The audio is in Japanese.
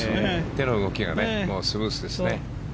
手の動きがスムーズですね。